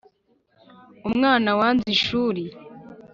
Umwana wanze ishuri